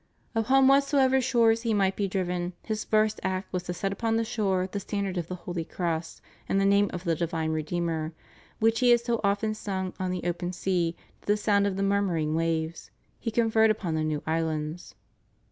Upon whatsoever shores he might be driven, his first act was to set upon the shore the standard of the holy cross: and the name of the divine Redeemer, which he had so often sung on the open sea to the sound of the murmuring waves, he conferred upon the new islands.